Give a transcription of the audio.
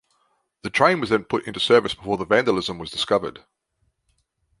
The train was then put into service before the vandalism was discovered.